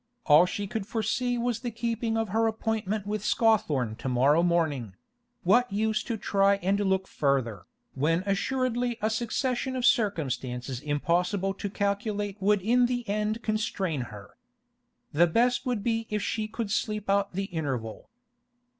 All she could foresee was the keeping of her appointment with Scawthorne to morrow morning; what use to try and look further, when assuredly a succession of circumstances impossible to calculate would in the end constrain her? The best would be if she could sleep out the interval.